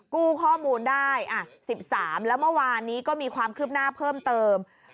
กู้ข้อมูลได้๑๓แล้วเมื่อวานนี้ก็มีความคืบหน้าเพิ่มเติม